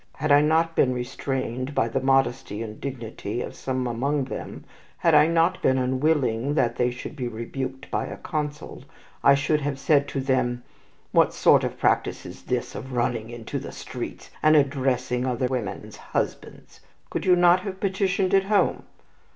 Had I not been restrained by the modesty and dignity of some among them, had I not been unwilling that they should be rebuked by a Consul, I should have said to them: 'What sort of practice is this of running into the streets, and addressing other women's husbands? Could you not have petitioned at home?